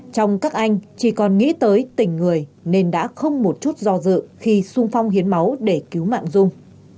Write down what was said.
trong các anh chỉ còn nghĩ tới tình người nên đã không một chút do dự khi sung phong hiến máu để cứu mạng dung